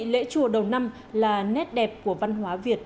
lễ chùa đầu năm là nét đẹp của văn hóa việt